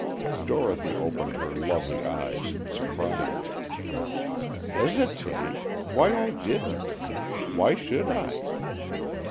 Dorothy opened her lovely eyes in surprise. "Hesitate! Why, I didn't. Why should I?"